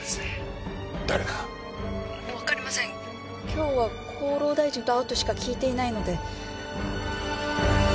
今日は厚労大臣と会うとしか聞いていないので。